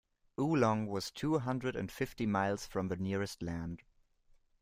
Oolong was two hundred and fifty miles from the nearest land.